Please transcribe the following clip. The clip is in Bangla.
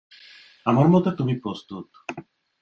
আমার মতে তুমি প্রস্তুত।